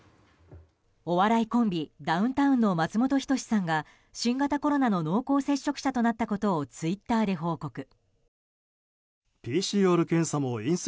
お笑いコンビ、ダウンタウンの松本人志さんが新型コロナの濃厚接触者となったことをツイッターで報告。